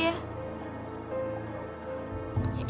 gapapa kita masuk aja ya